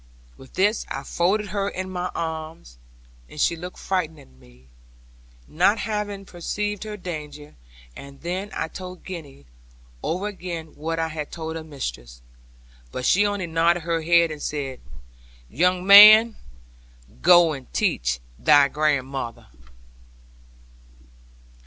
With this I folded her in my arms; and she looked frightened at me; not having perceived her danger; and then I told Gwenny over again what I had told her mistress: but she only nodded her head and said, 'Young man, go and teach thy grandmother.'